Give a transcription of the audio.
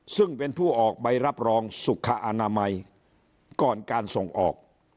ซึ่งเป็นผู้ออกใบรับรองสุขอนามัยก่อนการส่งออก